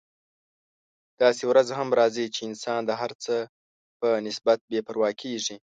داسې ورځ هم راځي چې انسان د هر څه په نسبت بې پروا کیږي.